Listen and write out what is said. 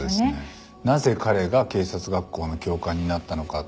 なぜ彼が警察学校の教官になったのかっていう。